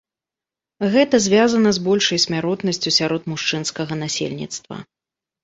Гэта звязана з большай смяротнасцю сярод мужчынскага насельніцтва.